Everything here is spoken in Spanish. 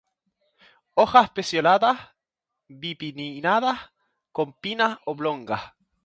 Hojas pecioladas, bi-pinnadas, con pinnas oblongas.